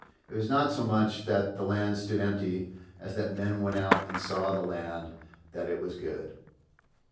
It was not so much that the land stood empty as that men went out and saw the land, that it was good.